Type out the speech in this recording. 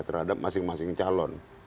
terhadap masing masing calon